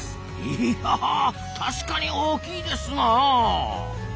いや確かに大きいですなあ。